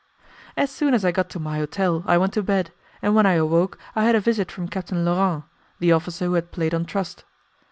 As soon as I got to my hotel, I went to bed, and when I awoke, I had a visit from Captain Laurent, the officer who had played on trust.